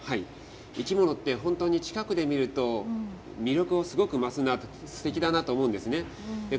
生き物って本当に近くで見ると魅力がすごく増すな、すてきだなと思うんですね。